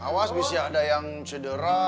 awas bisa ada yang cedera